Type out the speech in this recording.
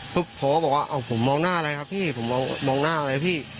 เขาก็บอกว่าผมมองหน้าอะไรครับพี่ผมมองหน้าอะไรพี่